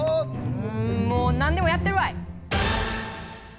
うんもうなんでもやったるわい！